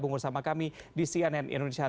bergabung sama kami di cnn indonesia